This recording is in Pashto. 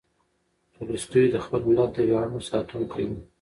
تولستوی د خپل ملت د ویاړونو ساتونکی و.